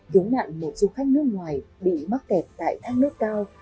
cứu nạn một du khách nước ngoài bị mắc kẹt tại thác nước cao